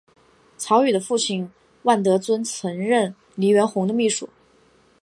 曹禺的父亲万德尊曾任黎元洪的秘书。